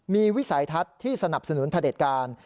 มีวิสัยทัศน์ที่สนับสนุนพระเด็จการ